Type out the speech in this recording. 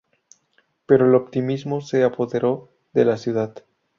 Pero el optimismo se apoderó de la ciudad.